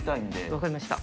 分かりました。